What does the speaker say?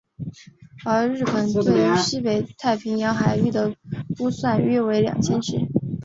而日本对于西北太平洋海域的估算约为二千只。